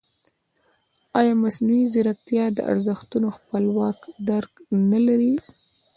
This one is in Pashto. ایا مصنوعي ځیرکتیا د ارزښتونو خپلواک درک نه لري؟